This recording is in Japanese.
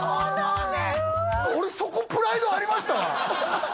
あ俺そこプライドありましたわ